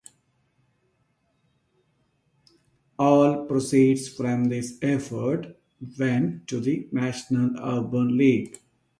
All proceeds from this effort went to the National Urban League.